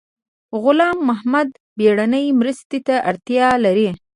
غلام محد بیړنۍ مرستې ته اړتیا لري